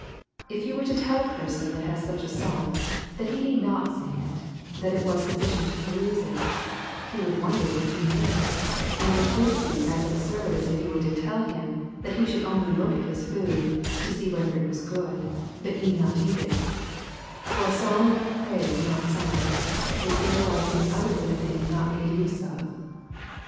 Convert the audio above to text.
If you was to tell a person that has sung a song that he need not sing it, that it was sufficient to peruse it, he would wonder what you mean, and would think you as absurd as if you was to tell him that he should only look at his food, to see whether it was good, but need not eat it ; for a song of praise not sung is very like any other good thing not made use of.